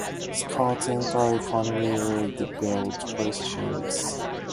Scott's entire family are devout Christians.